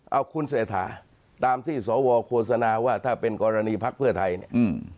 เอาคุณเศรษฐาตามที่สวโฆษณาว่าถ้าเป็นกรณีพักเพื่อไทยเนี่ย